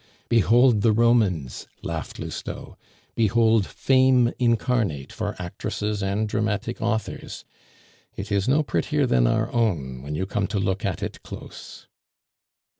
"Behold the Romans!" laughed Lousteau; "behold fame incarnate for actresses and dramatic authors. It is no prettier than our own when you come to look at it close."